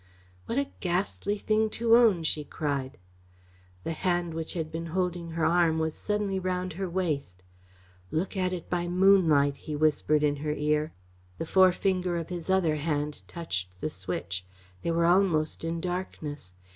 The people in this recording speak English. "What a ghastly thing to own," she cried. The hand which had been holding her arm was suddenly round her waist. "Look at it by moonlight," he whispered in her ear. The forefinger of his other hand touched the switch. They were almost in darkness.